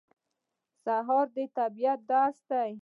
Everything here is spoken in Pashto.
سهار د طبیعت درس دی.